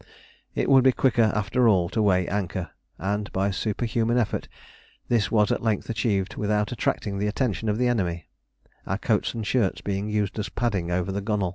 It would be quicker, after all, to weigh anchor, and by superhuman efforts this was at length achieved without attracting the attention of the enemy, our coats and shirts being used as padding over the gunwale.